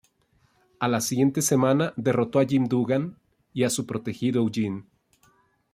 A la siguiente semana derrotó a Jim Duggan y a su protegido Eugene.